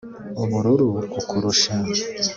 ubururu kukurusha